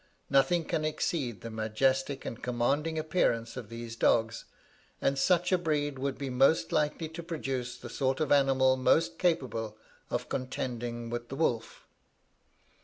Nothing can exceed the majestic and commanding appearance of these dogs, and such a breed would be most likely to produce the sort of animal most capable of contending with the wolf.